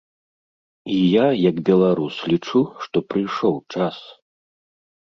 І я як беларус лічу, што прыйшоў час.